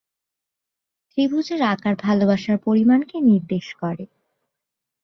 ত্রিভুজের আকার ভালোবাসার "পরিমাণকে" নির্দেশ করে।